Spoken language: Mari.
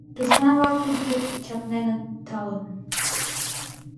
Тушман-влак тудын деч чакненыт талын